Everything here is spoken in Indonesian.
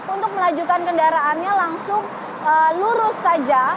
untuk melajukan kendaraannya langsung lurus saja